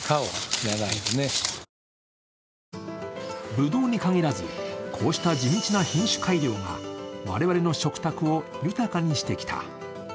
ぶどうに限らずこうした地道な品種改良が我々の食卓を豊かにしてきた。